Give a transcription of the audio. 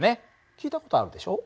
聞いた事あるでしょ？